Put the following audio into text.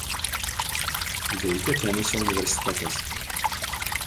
Veikia Tenesio universitetas.